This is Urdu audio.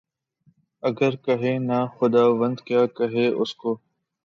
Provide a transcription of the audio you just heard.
اگر کہیں نہ خداوند، کیا کہیں اُس کو؟